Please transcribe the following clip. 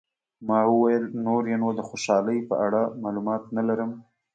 ما وویل، نور یې نو د خوشحالۍ په اړه معلومات نه لرم.